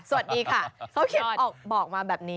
สวัสดีค่ะเขาเขียนออกบอกมาแบบนี้